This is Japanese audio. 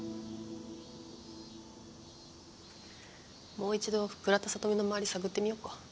もう一度倉田聡美の周り探ってみよっか。